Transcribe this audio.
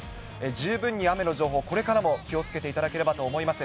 十分に雨の情報、これからも気をつけていただければと思います。